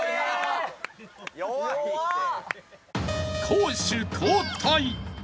［攻守交代］